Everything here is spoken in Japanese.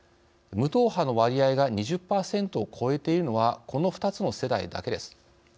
無党派の割合が２０％を超えているのはこの２つの世代だけです。